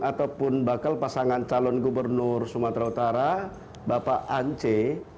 ataupun bakal pasangan calon gubernur sumatera utara bapak ance